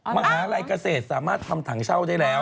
มหาลัยเกษตรสามารถทำถังเช่าได้แล้ว